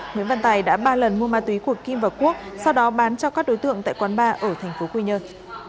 nguyễn văn tài đã ba lần mua ma túy của kim và quốc sau đó bán cho các đối tượng tại quán ba ở tp quy nhơn